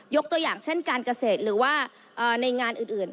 ตัวอย่างเช่นการเกษตรหรือว่าในงานอื่น